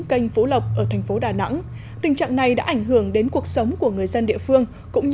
kênh phú lộc ở thành phố đà nẵng